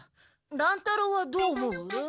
乱太郎はどう思う？